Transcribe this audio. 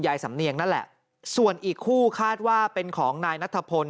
สำเนียงนั่นแหละส่วนอีกคู่คาดว่าเป็นของนายนัทพล